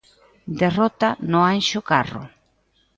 Derrota no Anxo Carro.